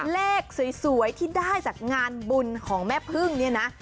เลขสวยที่ได้จากงานบุญของแม่พึ่งเนี่ยนะ